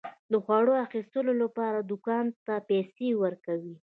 د خوړو اخیستلو لپاره دوکاندار ته پيسى ورکوي.